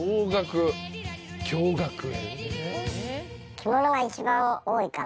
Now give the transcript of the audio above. ・着物が一番多いかな。